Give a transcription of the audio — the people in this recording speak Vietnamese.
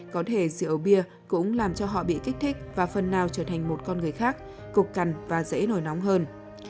có thể rượu bia cũng làm cho họ bị kích thích và phần nào trở thành một con người khác cục cằn và dễ nổi nóng hơn